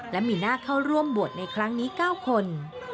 และมีหน้าเข้าร่วมบวชในครั้งนี้๙คน